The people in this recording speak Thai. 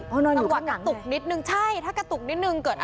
ต้องกระตุกนิดนึงใช่ถ้ากระตุกนิดนึงเกิด